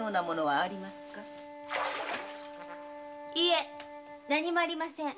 いいえ何もありません。